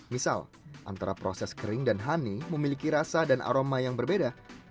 misal antara proses kering dan honey memiliki rasa dan aroma yang berbeda